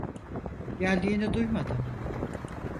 Geldiğini duymadım.